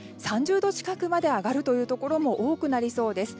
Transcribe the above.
３０度近くまで上がるというところも多くなりそうです。